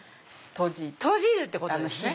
閉じるってことですね。